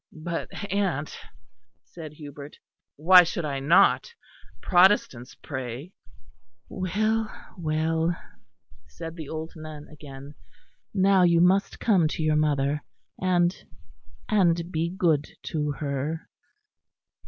"But, aunt," said Hubert, "why should I not? Protestants pray." "Well, well," said the old nun again. "Now you must come to your mother; and and be good to her."